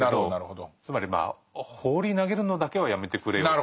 つまり放り投げるのだけはやめてくれよと。